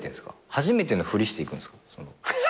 初めてのふりしていくんですか？